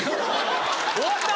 終わった！